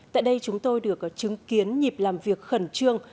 tại đây chúng tôi được chứng kiến nhịp làm việc khẩn trương